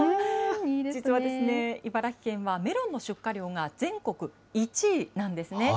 実は茨城県は、メロンの出荷量が全国１位なんですね。